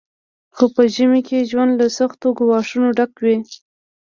خو په ژمي کې ژوند له سختو ګواښونو ډک وي